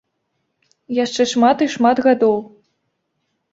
Яшчэ шмат і шмат гадоў.